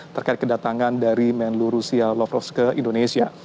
terkait kedatangan dari menlu rusia lovrovske indonesia